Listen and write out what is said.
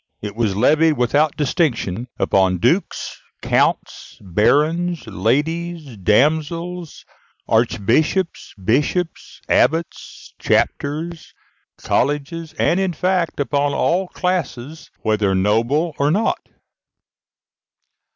It was levied without distinction upon dukes, counts, barons, ladies, damsels, archbishops, bishops, abbots, chapters, colleges, and, in fact, upon all classes, whether noble or not.